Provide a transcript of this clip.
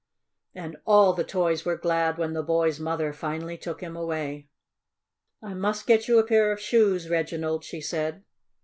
And all the toys were glad when the boy's mother finally took him away. "I must get you a pair of shoes, Reginald," she said.